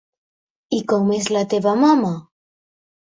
I com és la teva mama?